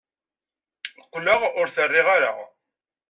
Qqleɣ ur t-riɣ ara.